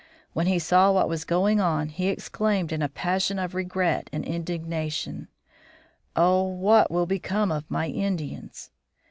When he saw what was going on he exclaimed in a passion of regret and indignation, "Oh, what will become of my Indians!"